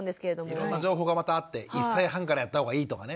いろんな情報がまたあって１歳半からやった方がいいとかね。